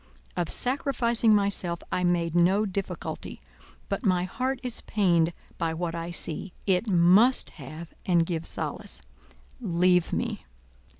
Of sacrificing myself I made no difficulty but my heart is pained by what I see; it must have and give solace. _Leave me!